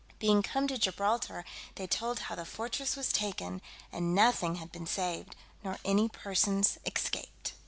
Being come to Gibraltar, they told how the fortress was taken, and nothing had been saved, nor any persons escaped.